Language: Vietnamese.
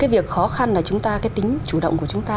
cái việc khó khăn là chúng ta cái tính chủ động của chúng ta